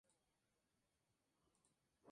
Frecuente en lugares sombríos, cultivos.